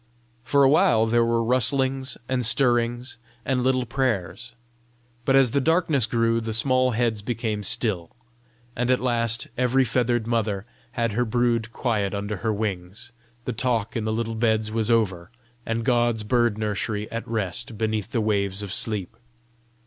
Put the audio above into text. For a while there were rustlings and stirrings and little prayers; but as the darkness grew, the small heads became still, and at last every feathered mother had her brood quiet under her wings, the talk in the little beds was over, and God's bird nursery at rest beneath the waves of sleep.